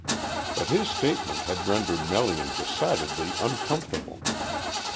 But his statement had rendered Melian decidedly uncomfortable.